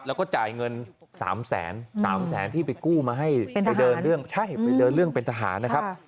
แล้วก็จ่ายเงินสามแสนที่ไปกู้มาให้ไปเดินเรื่องเป็นทหารนะครับ